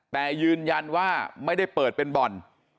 แต่ยืนยันว่าไม่ได้เปิดเป็นบ่อน